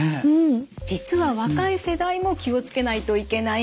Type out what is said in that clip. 実は若い世代も気をつけないといけないんです。